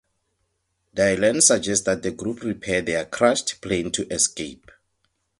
Dylan suggests that the group repair their crashed plane to escape.